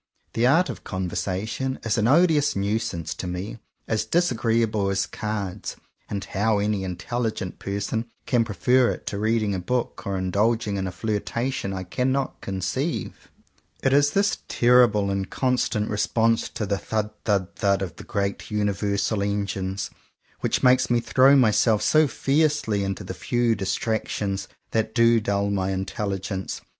The art of conversation is an odious nuisance to me, — as disagreeable as cards; — and how any intelligent person can prefer it to reading a book, or indulging in a flirtation, I cannot conceive. It is this terrible and constant response to the "thud thud thud "of the great universal Engines, which makes me throw myself so fiercely into the few distractions that do dull my intelligence.